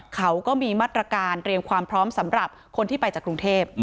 เขาก็มีมาตรการเตรียมความพร้อมสำหรับคนที่ไปจากกรุงเทพ